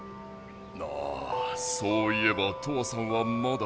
ああそういえばトアさんはまだ。